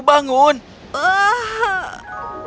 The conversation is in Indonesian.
bawang putih dan nafas ikan